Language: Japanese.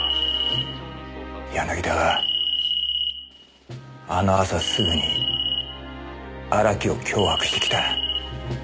柳田はあの朝すぐに荒木を脅迫してきた。